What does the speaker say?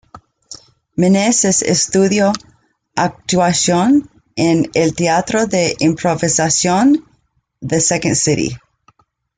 Meneses estudió actuación en el Teatro de Improvisación The Second City.